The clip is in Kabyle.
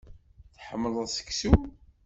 Tḥemmleḍ seksu.